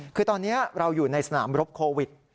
คือตอนนี้เราอยู่ในสนามรบโควิด